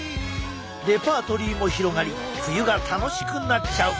レパートリーも広がり冬が楽しくなっちゃう！